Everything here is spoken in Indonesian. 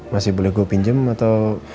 masih boleh gue pinjam atau